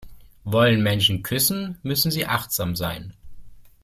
Wollen Menschen küssen, müssen sie achtsam sein.